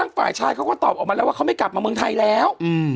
น่าจะออกมาตอนนี้มันลบหมดแล้ว